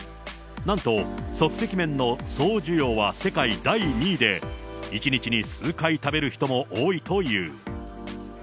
なんと、即席麺の総需要は世界第２位で、１日に数回食べる人も多いという。